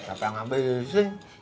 apa yang ngapain disini